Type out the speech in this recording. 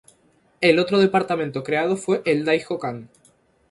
El otro departamento creado fue el Daijō-kan.